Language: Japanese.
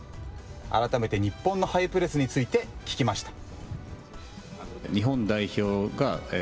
改めて日本のハイプレスについて聞きました。